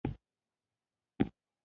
په سره رنگ انګريزي ليکل يې درلودل.